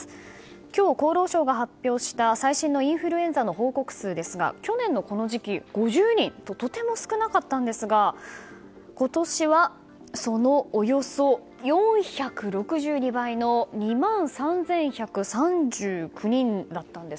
今日厚労省が発表した最新のインフルエンザの報告数ですが、去年のこの時期は５０人ととても少なかったんですが今年は、そのおよそ４６２倍の２万３１３９人だったんです。